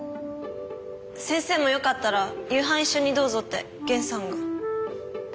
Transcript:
先生もよかったら夕飯一緒にどうぞって源さんが。